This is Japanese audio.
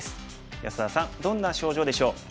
安田さんどんな症状でしょう？